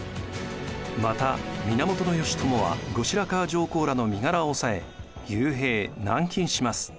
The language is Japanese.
また源義朝は後白河上皇らの身柄を押さえ幽閉・軟禁します。